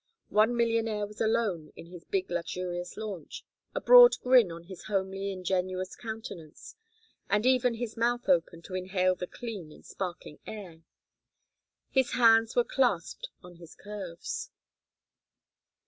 One millionaire was alone in his big luxurious launch, a broad grin on his homely ingenuous countenance, and even his mouth open to inhale the clean and sparkling air. His hands were clasped on his curves.